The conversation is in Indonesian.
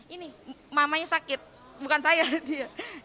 ini mamanya sakit bukan saya dia